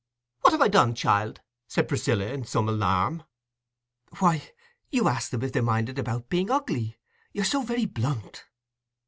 "What have I done, child?" said Priscilla, in some alarm. "Why, you asked them if they minded about being ugly—you're so very blunt."